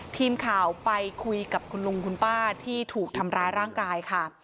ทีมข่าวไปคุยกับคุณลุงคุณป้าที่ถูกทำร้ายร่างกายค่ะ